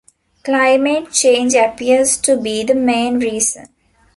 Climate change appears to be the main reason.